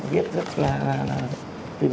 viết rất là tự do